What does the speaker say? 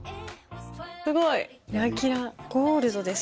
すごいキラキラゴールドですね。